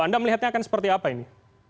anda melihatnya akan seperti apa ini